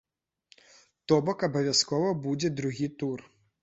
То бок абавязкова будзе другі тур.